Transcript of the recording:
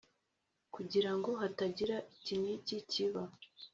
kugirango hatagira iki n’iki kiba